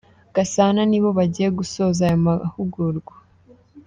Gasana, nibo bagiye gusoza aya mahugurwa.